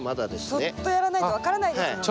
そっとやらないと分からないですもんね。